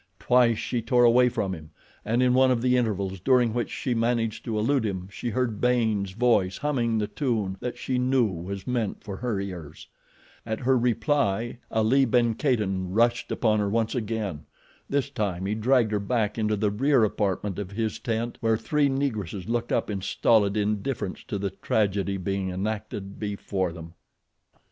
Twice she tore away from him, and in one of the intervals during which she managed to elude him she heard Baynes' voice humming the tune that she knew was meant for her ears. At her reply Ali ben Kadin rushed upon her once again. This time he dragged her back into the rear apartment of his tent where three Negresses looked up in stolid indifference to the tragedy being enacted before them.